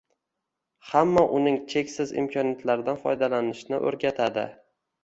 Hamda uning cheksiz imkoniyatlaridan foydalanishni oʻrgatadi